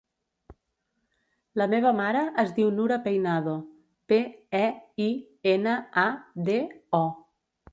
La meva mare es diu Nura Peinado: pe, e, i, ena, a, de, o.